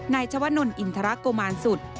นายชาวนนต์อินทรกมานสุตร